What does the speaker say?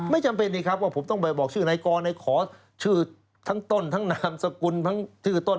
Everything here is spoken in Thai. ไม่จำเป็นว่าผมต้องบอกชื่อไหนกรนะขอชื่อทั้งต้นทั้งนามสกุลทั้งชื่อต้น